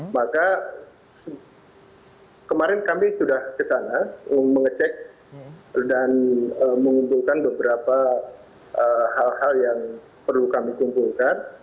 maka kemarin kami sudah kesana mengecek dan mengumpulkan beberapa hal hal yang perlu kami kumpulkan